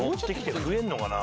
増えるのかな。